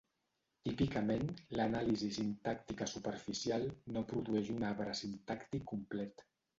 Típicament, l'anàlisi sintàctica superficial no produeix un arbre sintàctic complet.